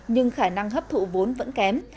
nhưng khả năng hấp thụ vốn vẫn kém